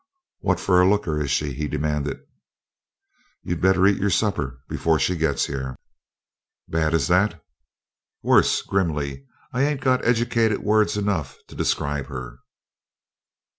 "What fer a looker is she?" he demanded. "You'd better eat your supper before she gets here." "Bad as that?" "Worse," grimly. "I ain't got educated words enough to describe her."